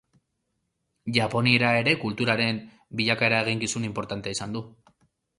Japoniera ere kulturaren bilakaera eginkizun inportantea izan du.